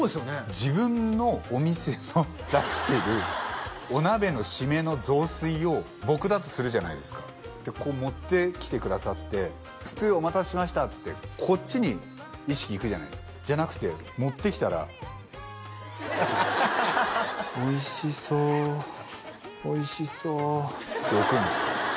自分のお店の出してるお鍋の締めの雑炊を僕だとするじゃないですかでこう持ってきてくださって普通「お待たせしました」ってこっちに意識いくじゃないですかじゃなくて持ってきたら「おいしそうおいしそう」っつって置くんですよ